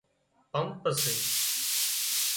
پمپ سي